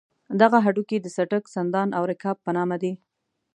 دغه هډوکي د څټک، سندان او رکاب په نامه دي.